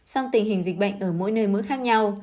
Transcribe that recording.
song tình hình dịch bệnh ở mỗi nơi mức khác nhau